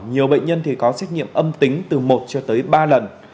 nhiều bệnh nhân thì có xét nghiệm âm tính từ một cho tới ba lần